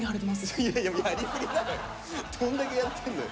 どんだけやってんのよ。